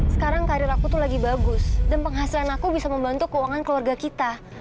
sekarang karir aku tuh lagi bagus dan penghasilan aku bisa membantu keuangan keluarga kita